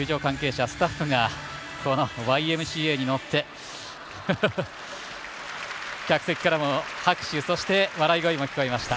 球場関係者、スタッフが「ＹＭＣＡ」にのって客席からも拍手、そして笑い声が聞こえました。